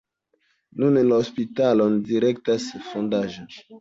Nun la hospitalon direktas fondaĵo.